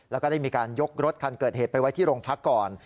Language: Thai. แล้วก็ได้มีการยกรถคันเกิดเหตุไปไว้ที่โรงพักก่อน